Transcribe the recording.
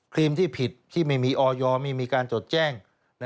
รีมที่ผิดที่ไม่มีออยไม่มีการจดแจ้ง